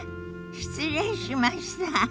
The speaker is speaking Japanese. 失礼しました。